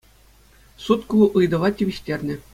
Суд ку ыйтӑва тивӗҫтернӗ.